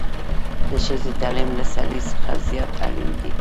د ښځې تعليم له سړي څخه زيات اړين دی